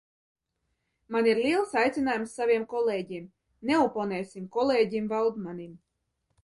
Man ir liels aicinājums saviem kolēģiem: neoponēsim kolēģim Valdmanim!